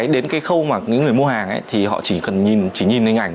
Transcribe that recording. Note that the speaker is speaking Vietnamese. đến cái khâu mà những người mua hàng thì họ chỉ cần nhìn cái ngành